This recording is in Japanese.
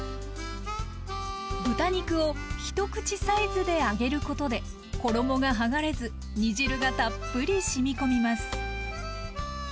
豚肉を一口サイズで揚げることで衣がはがれず煮汁がたっぷりしみ込みます。